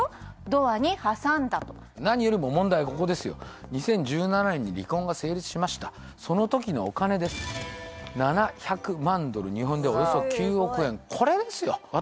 ドアに挟んだと何よりも問題はここですよ２０１７年に離婚が成立しましたその時のお金です７００万ドル日本円でおよそ９億円